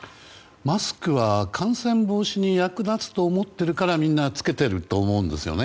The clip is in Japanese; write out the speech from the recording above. マスクは感染防止に役立つと思っているからみんな着けていると思うんですよね。